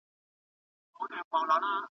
يوازې يوې ډلې به پوځي زده کړې کولې.